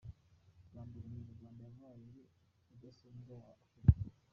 Bwa mbere umunyarwanda yabaye Rudasumbwa wa Afurika .